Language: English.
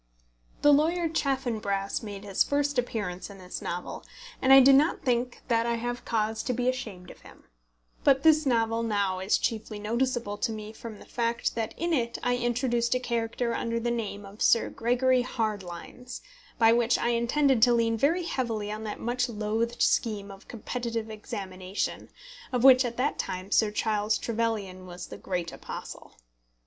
The lawyer Chaffanbrass made his first appearance in this novel, and I do not think that I have cause to be ashamed of him. But this novel now is chiefly noticeable to me from the fact that in it I introduced a character under the name of Sir Gregory Hardlines, by which I intended to lean very heavily on that much loathed scheme of competitive examination, of which at that time Sir Charles Trevelyan was the great apostle.